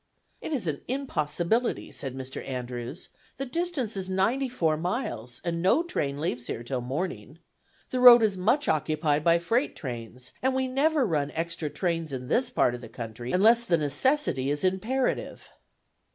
"It is an impossibility," said Mr. Andrews; "the distance is ninety four miles, and no train leaves here till morning. The road is much occupied by freight trains, and we never run extra trains in this part of the country, unless the necessity is imperative."